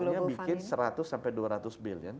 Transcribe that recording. kita maunya bikin seratus sampai dua ratus billion